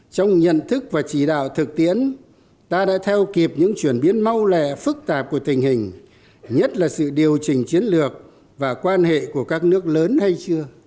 trong nhận thức và chỉ đạo thực tiến ta đã theo kịp những chuyển biến mau lẹ phức tạp của tình hình nhất là sự điều chỉnh chiến lược và quan hệ của các nước lớn hay chưa